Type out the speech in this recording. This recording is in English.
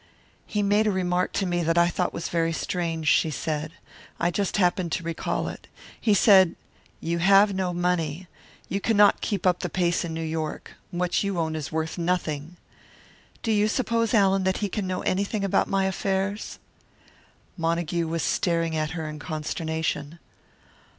"He made a remark to me that I thought was very strange," she said. "I just happened to recall it. He said, 'You have no money. You cannot keep up the pace in New York. What you own is worth nothing.' Do you suppose, Allan, that he can know anything about my affairs?" Montague was staring at her in consternation.